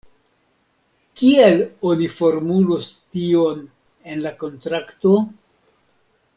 Kiel oni formulos tion en la kontrakto?